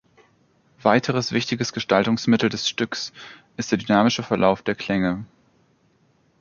Weiteres wichtiges Gestaltungsmittel des Stückes ist der dynamische Verlauf der Klänge.